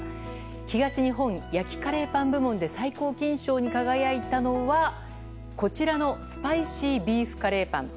東日本焼きカレーパン部門で最高金賞に輝いたのはこちらのスパイシービーフカレーパン。